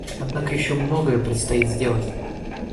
Однако еще многое предстоит сделать.